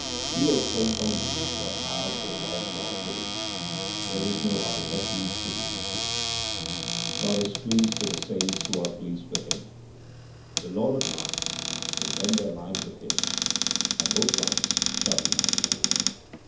We obtain only what Thou, O Lord God, givest. There is no other refuge for me to seek. 348 THE SIKH RELIGION God is pleased with the saints who are pleased with Him. The Lord of light will blend their light with His, and both lights shall unite.